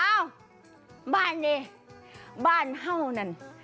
เอ้าบ้านนี้บ้านเห่านั่น